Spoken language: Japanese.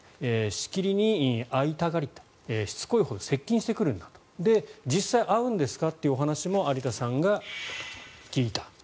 しきりに会いたがりしつこいほど接近してくるんだと実際会うんですか？というお話も有田さんが聞いた。